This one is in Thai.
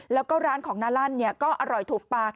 แล้วก็ร้านของนาลั่นก็อร่อยถูกปาก